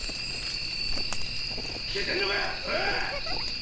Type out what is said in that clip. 聞いてんのかおい！